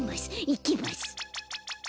いきます。